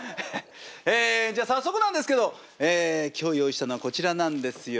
ええじゃあ早速なんですけどええ今日用意したのはこちらなんですよ。